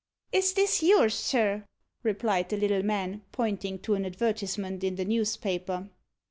"Is this yours, sir?" replied the little man, pointing to an advertisement in the newspaper.